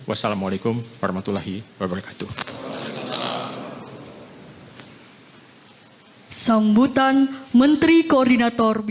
assalamualaikum warahmatullahi wabarakatuh